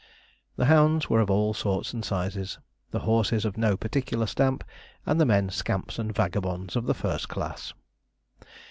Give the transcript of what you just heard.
The hounds were of all sorts and sizes; the horses of no particular stamp; and the men scamps and vagabonds of the first class.